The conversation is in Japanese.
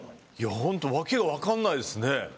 本当わけが分からないですね。